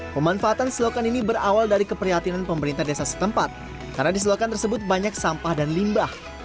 pemanfaatan selokan ini berawal dari keprihatinan pemerintah desa setempat karena di selokan tersebut banyak sampah dan limbah